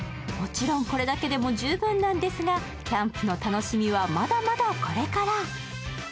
もちろん、これだけでも十分なんですが、キャンプの楽しみはまだまだこれから。